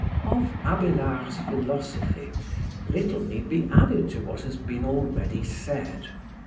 Of Abélard's philosophy, little need be added to what has been already said.